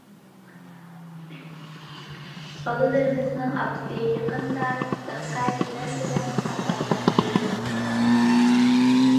بالىلىرىمىزنىڭ ئاپىسى يېقىندا زىققە كېسەل بىلەن قازا تاپتى.